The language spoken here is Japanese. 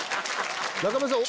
中村さん